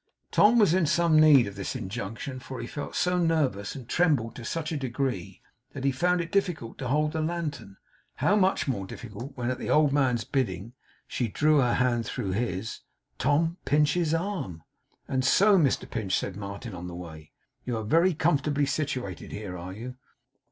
Tom was in some need of this injunction, for he felt so nervous, and trembled to such a degree, that he found it difficult to hold the lantern. How much more difficult when, at the old man's bidding she drew her hand through his Tom Pinch's arm! 'And so, Mr Pinch,' said Martin, on the way, 'you are very comfortably situated here; are you?